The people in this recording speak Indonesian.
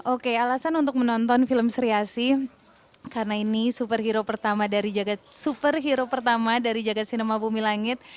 oke alasan untuk menonton film sri asih karena ini superhero pertama dari jagad cinema bumi langit